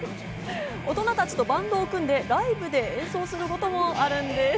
大人たちとバンドを組んでライブで演奏することもあるんです。